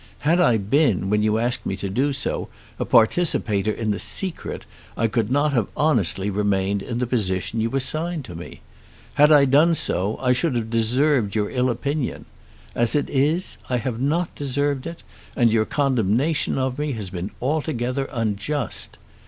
Had I been, when you asked me to do so, a participator in that secret I could not have honestly remained in the position you assigned to me. Had I done so, I should have deserved your ill opinion. As it is I have not deserved it, and your condemnation of me has been altogether unjust.